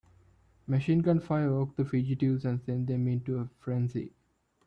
Machine gun fire awoke the fugitives and sent them into a frenzy.